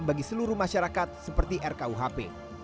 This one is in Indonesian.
bagi seluruh masyarakat seperti rkuhp